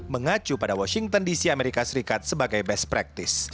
mengacu pada washington dc amerika serikat sebagai best practice